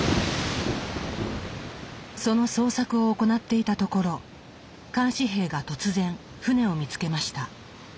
その捜索を行っていたところ監視兵が突然船を見つけました。